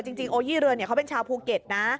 โอยี่เรือเขาเป็นชาวภูเก็ตนะ